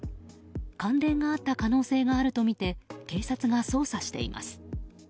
関連があった可能性があるとみて警察が捜査しています。